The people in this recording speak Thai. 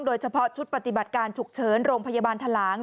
เฉพาะชุดปฏิบัติการฉุกเฉินโรงพยาบาลทะลาง